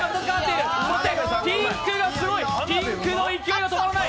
ピンクがすごい、ピンクの勢いが止まらない。